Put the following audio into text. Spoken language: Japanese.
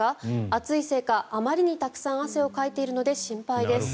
暑いせいかあまりにたくさん汗をかいているので心配です。